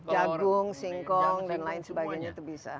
jagung singkong dan lain sebagainya itu bisa